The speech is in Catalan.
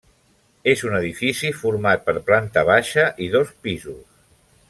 És un edifici format per planta baixa i dos pisos.